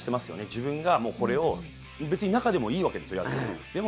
自分がこれを別に中でもいいわけですよ、やってても。